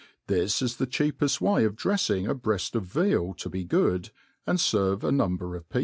This is the cheapeft way of drefling. a breaft of veal to be good, and fer ve a number pf people.